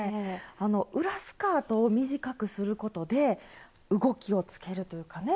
あの裏スカートを短くすることで動きをつけるというかね。